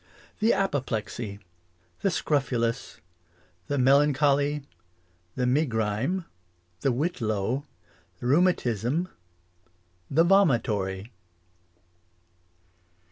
The apoplexy The scrofulas The melancholy The megrime The whitlow The rheumatisme The vomitory.